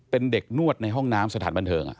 เป็นเด็กนวดในห้องน้ำสถานบันเทิง